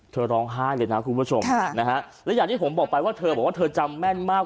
เธอร้องไห้เลยนะคุณผู้ชมและอย่างที่ผมบอกไปว่าเธอบอกว่าเธอจำแม่นมาก